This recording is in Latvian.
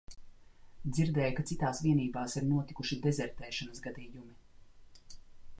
Dzirdēju, ka citās vienībās ir notikuši dezertēšanas gadījumi.